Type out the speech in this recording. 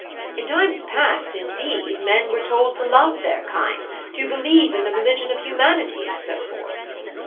In times past, indeed, men were told to love their kind, to believe in the religion of humanity, and so forth.